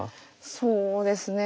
そうですね